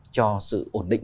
cho sự ổn định của thế giới